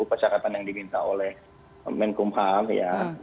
persyaratan yang diminta oleh menkumham ya